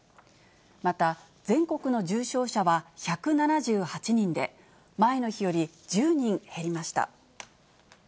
また全国の重症者は１７８人で、前の日より１０人減りました。